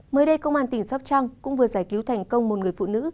mới đây công an tỉnh sóc trăng cũng vừa giải cứu thành công một người phụ nữ